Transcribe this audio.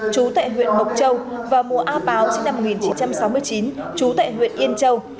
chú tại huyện mộc châu và mùa a báo sinh năm một nghìn chín trăm sáu mươi chín trú tại huyện yên châu